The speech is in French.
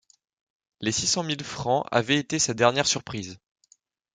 Les six cent mille francs avaient été sa dernière surprise.